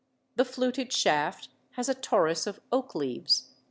The fluted shaft has a torus of oak leaves.